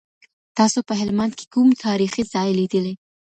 تاسو په هلمند کي کوم تاریخي ځای لیدلی؟